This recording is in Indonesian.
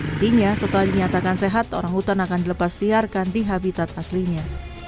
intinya setelah dinyatakan sehat orang hutan akan dilepas liarkan di habitat aslinya